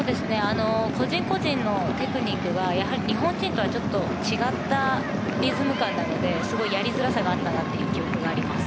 個人個人のテクニックがやはり日本人とはちょっと違ったリズム感なのですごいやりづらさがあったなという記憶があります。